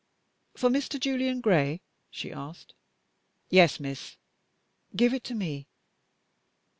"For Mr. Julian Gray?" she asked. "Yes, miss." "Give it to me."